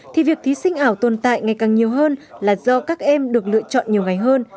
thì việc thí sinh ảo tồn tại ngày càng nhiều hơn là do các em được lựa chọn nhiều ngày hơn